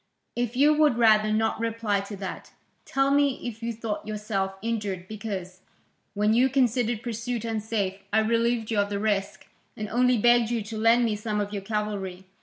"If you would rather not reply to that, tell me if you thought yourself injured because, when you considered pursuit unsafe, I relieved you of the risk, and only begged you to lend me some of your cavalry?